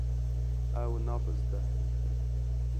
Ew nabizde.